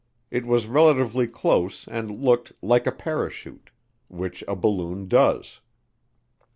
It was relatively close and looked "like a parachute," which a balloon does.